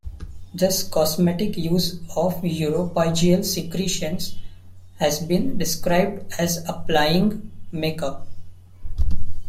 This cosmetic use of uropygial secretions has been described as applying "make-up".